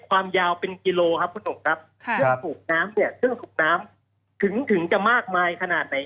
ความยาวเป็นกิโลครับคุณหนุ่มครับเครื่องสูบน้ำเนี่ยเครื่องสูบน้ำถึงถึงจะมากมายขนาดไหน